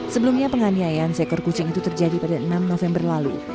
sebelumnya penganiayaan seekor kucing itu terjadi pada enam november lalu